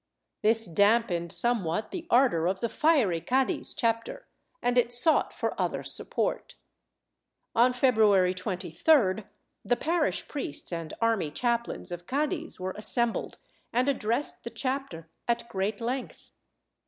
This dampened somewhat the ardor of the fiery Cadiz chapter and it sought for other support. On February 23d the parish priests and army chaplains of Cc4diz were assembled and addressed the chapter at great length.